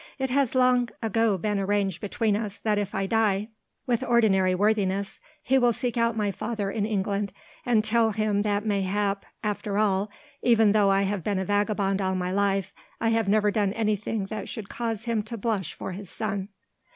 It has long ago been arranged between us that if I die with ordinary worthiness, he will seek out my father in England and tell him that mayhap after all even though I have been a vagabond all my life I have never done anything that should cause him to blush for his son."